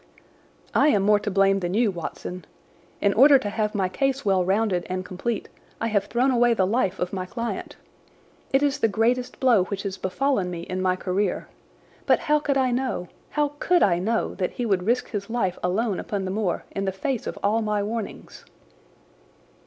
"I am more to blame than you, Watson. In order to have my case well rounded and complete, I have thrown away the life of my client. It is the greatest blow which has befallen me in my career. But how could I know—how could I know—that he would risk his life alone upon the moor in the face of all my warnings?"